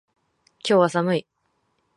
今日は寒い